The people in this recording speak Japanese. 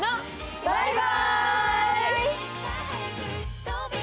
バイバイ！